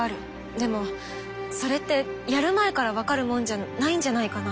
でもそれってやる前から分かるもんじゃないんじゃないかな。